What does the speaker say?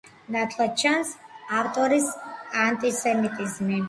ნათლად ჩანს ავტორის ანტისემიტიზმი.